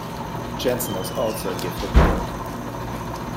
Jensen was also a gifted poet.